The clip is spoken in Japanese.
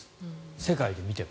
世界で見ても。